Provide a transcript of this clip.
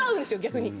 逆に。